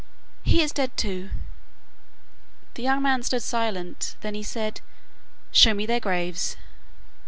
'He is dead too.' The young man stood silent. Then he said, 'Show me their graves.